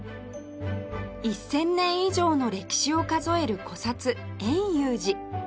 １０００年以上の歴史を数える古刹円融寺